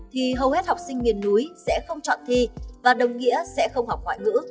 thì hầu hết học sinh miền núi sẽ không chọn thi và đồng nghĩa sẽ không học ngoại ngữ